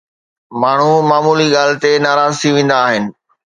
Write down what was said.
ماڻهو معمولي ڳالهه تي ناراض ٿي ويندا آهن.